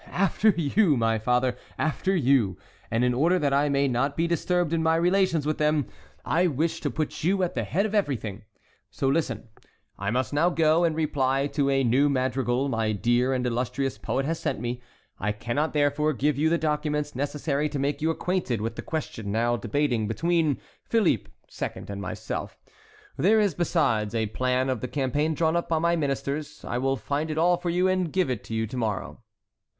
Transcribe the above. "After you, my father, after you. And in order that I may not be disturbed in my relations with them, I wish to put you at the head of everything. So listen: I must now go and reply to a new madrigal my dear and illustrious poet has sent me. I cannot, therefore, give you the documents necessary to make you acquainted with the question now debating between Philip II. and myself. There is, besides, a plan of the campaign drawn up by my ministers. I will find it all for you, and give it to you to morrow."